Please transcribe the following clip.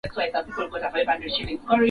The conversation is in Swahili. weka mafuta vijiko mbili